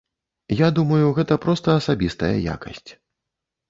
Я думаю, гэта проста асабістая якасць.